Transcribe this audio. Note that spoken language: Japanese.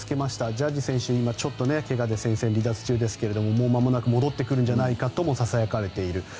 ジャッジ選手は今ちょっとけがで戦線離脱中ですがまもなく戻ってくるんじゃないかとささやかれている。